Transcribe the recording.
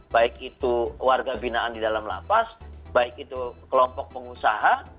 baik itu warga binaan di dalam lapas baik itu kelompok pengusaha